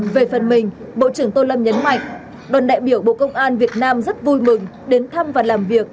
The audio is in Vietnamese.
về phần mình bộ trưởng tô lâm nhấn mạnh đoàn đại biểu bộ công an việt nam rất vui mừng đến thăm và làm việc